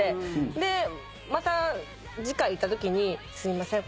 でまた次回行ったときに「すいません